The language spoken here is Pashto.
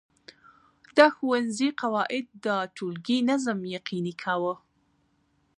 د ښوونځي قواعد د ټولګي نظم یقیني کاوه.